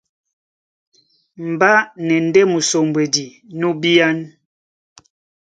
Mbá na e ndé musombwedi nú bíán.